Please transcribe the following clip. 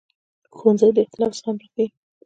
ښوونځی د اختلاف زغم راښيي